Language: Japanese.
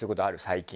最近。